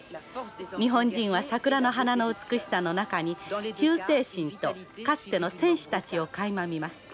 日本人は桜の花の美しさの中に忠誠心とかつての戦士たちをかいま見ます」。